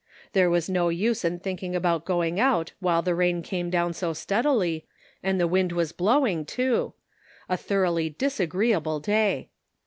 There was no use in thinking about going out while the rain came down so steadily, and the wind was blowing too ; a thoroughly disagreeable day.